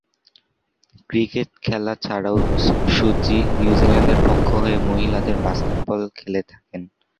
Cricket খেলা ছাড়াও Suzie নিউজিল্যান্ডের পক্ষ হয়ে মহিলাদের বাস্কেটবল খেলে থাকেন।